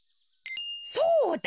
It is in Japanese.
そうだ！